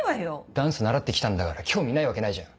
ダンス習ってきたんだから興味ないわけないじゃん。